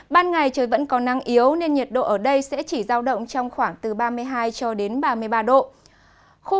ban ngày trời vẫn có năng yếu nên nhiệt độ ở đây sẽ chỉ giao động trong khoảng từ ba mươi hai ba mươi ba độ